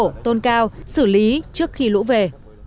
nhanh cao xử lý trước khi lũ về